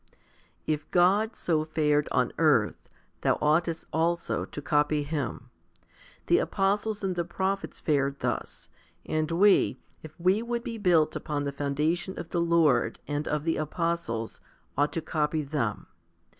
5. If God so fared on earth, thou oughtest also to copy Him. The apostles and the prophets fared thus, and we, if we would be built upon the foundation of the Lord and of the apostles, ought to copy them.